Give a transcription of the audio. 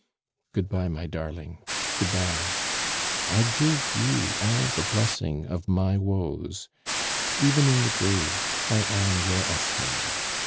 "Good bye, my darling, good bye! I give you all the blessing of my woes. Even in the grave I am your Esther.